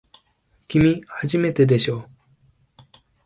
きみ、初めてでしょ。